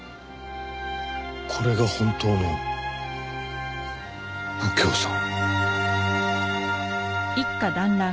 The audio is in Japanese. これが本当の右京さん？